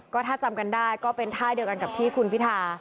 ก็ถ้าจำกันได้ก็เป็นท่าเดียวกันกับที่คุณพิธา